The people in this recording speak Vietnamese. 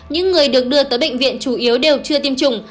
những người được đưa tới bệnh viện chủ yếu đều chưa tiêm chủng